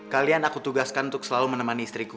kalian aku tugaskan untuk selalu menemani istriku